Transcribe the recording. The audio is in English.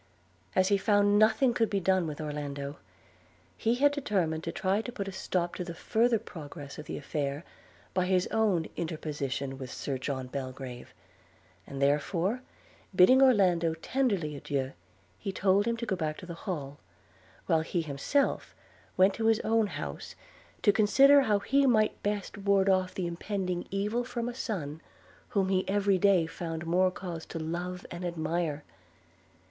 As he found nothing could be done with Orlando, he had determined to try to put a stop to the further progress of the affair, by his own interposition with Sir John Belgrave; and therefore, bidding Orlando tenderly adieu, he told him to go back to the Hall, while he himself went to his own house to consider how he might best ward off the impending evil from a son whom he every day found more cause to love and admire.